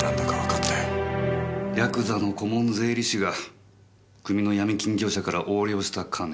ヤクザの顧問税理士が組の闇金業者から横領した金。